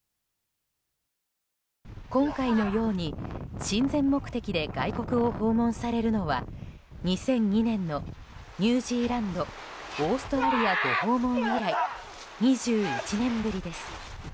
今回のように親善目的で外国を訪問されるのは２００２年のニュージーランドオーストラリアご訪問以来２１年ぶりです。